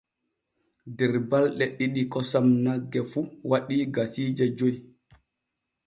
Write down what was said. Der balɗe ɗiɗi kosam nagge fu waɗii kasiije joy.